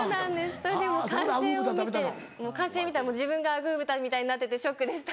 それでもう完成を見て完成見たら自分がアグー豚みたいになっててショックでした。